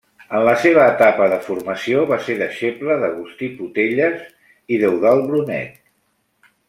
En la seva etapa de formació va ser deixeble d'Agustí Potelles i d'Eudald Brunet.